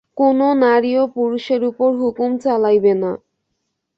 কোন নারীও পুরুষের উপর হুকুম চালাইবে না।